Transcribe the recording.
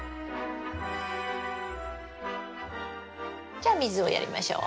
じゃあ水をやりましょう。